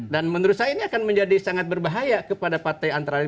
dan menurut saya ini akan menjadi sangat berbahaya kepada partai antara lain